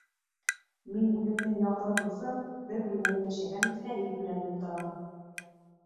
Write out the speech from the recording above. Мин үҙемдең яҡын дуҫым, бер бүлмәлә йәшәгән Фәрит менән ултырам.